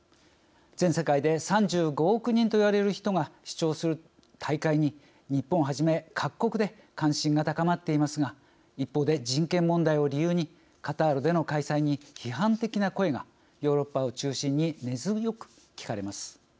全世界で３５億人といわれる人が視聴する大会に日本はじめ各国で関心が高まっていますが一方で、人権問題を理由にカタールでの開催に批判的な声がヨーロッパを中心に根強く聞かれます。